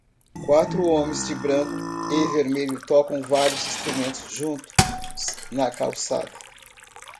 Quatro homens de branco e vermelho tocam vários instrumentos juntos na calçada.